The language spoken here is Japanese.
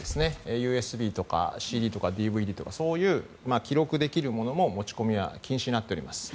ＵＳＢとかＣＤとかＤＶＤとか記録できるものも持ち込みは禁止になっております。